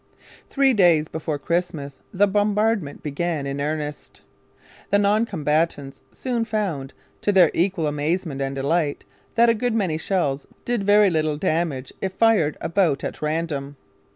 Three days before Christmas the bombardment began in earnest. The non combatants soon found, to their equal amazement and delight, that a good many shells did very little damage if fired about at random.